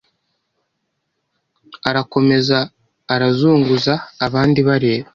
arakomeza arazunguza abandi bareba